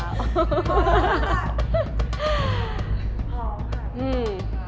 พร้อมค่ะ